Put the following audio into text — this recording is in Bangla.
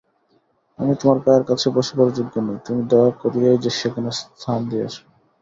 আমি তোমার পায়ের কাছে বসিবারও যোগ্য নই, তুমি দয়া করিয়াই সেখানে স্থান দিয়াছ।